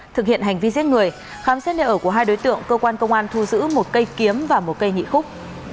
thực hiện hành vi giết người khám xét nơi ở của hai đối tượng cơ quan công an thu giữ một cây kiếm và một cây nhị khúc